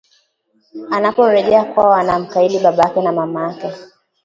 Anaporejea kwao anamkaidi babake na mamake